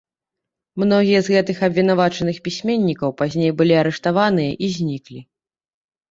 Многія з гэтых абвінавачаных пісьменнікаў пазней былі арыштаваныя і зніклі.